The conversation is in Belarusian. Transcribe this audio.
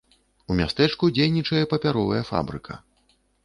У мястэчку дзейнічае папяровая фабрыка.